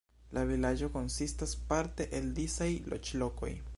La vilaĝo konsistas parte el disaj loĝlokoj.